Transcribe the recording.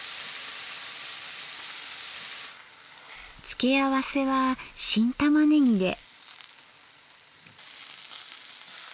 付け合わせは新たまねぎで。